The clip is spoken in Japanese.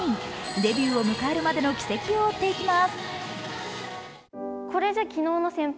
デビューを迎えるまでの軌跡を追っていきます。